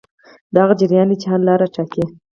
دا هغه جریان دی چې حل لاره ټاکي.